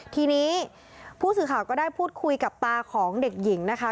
ทีนี้ผู้สื่อข่าวก็ได้พูดคุยกับตาของเด็กหญิงนะคะ